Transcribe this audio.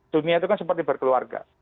dunia itu kan seperti berkeluarga